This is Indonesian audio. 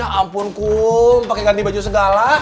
ampun kum pakai ganti baju segala